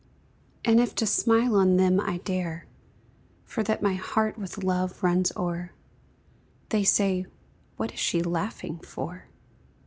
And if to smile on them I dare, For that my heart with love runs o'er, They say: "What is she laughing for?"